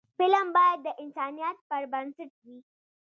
فلم باید د انسانیت پر بنسټ وي